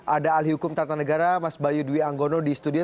ada ahli hukum tata negara mas bayu dwi anggono di studio